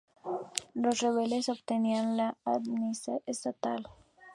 Los rebeldes obtenían la amnistía estatal.